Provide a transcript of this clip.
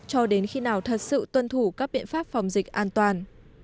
cho đến khi nào thật sự tuân thủ các biện pháp phòng dịch an toàn